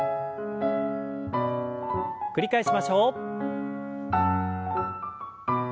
繰り返しましょう。